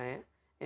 ini dia saya